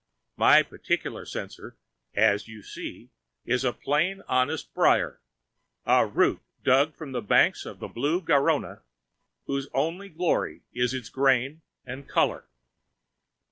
My particular censer, as you see, is a plain, honest briar, a root dug from the banks of the blue Garonne, whose only glory is its grain and color.